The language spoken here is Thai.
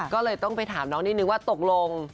ก็เลยต้องไปถามน้องนิดนึงว่าตกลง